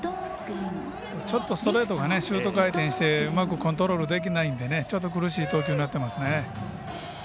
ちょっとストレートがシュート回転してうまくコントロールできないんでちょっと苦しい投球になってますね。